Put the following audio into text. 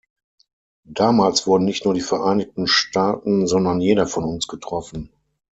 Damals wurden nicht nur die Vereinigten Staaten, sondern jeder von uns getroffen.